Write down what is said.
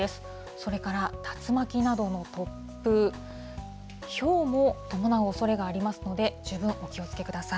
それから竜巻などの突風、ひょうも伴うおそれがありますので、十分お気をつけください。